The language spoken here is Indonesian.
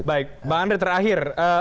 baik mbak andri terakhir